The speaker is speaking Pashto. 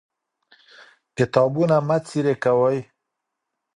کتابونه مه څيرې کوئ.